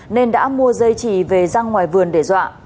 nên đã mua dây trì về ra ngoài vườn để dọa